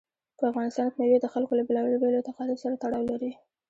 په افغانستان کې مېوې د خلکو له بېلابېلو اعتقاداتو سره تړاو لري.